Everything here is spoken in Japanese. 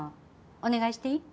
お願いしていい？